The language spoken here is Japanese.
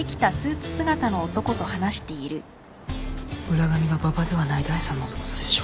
浦上が馬場ではない第３の男と接触。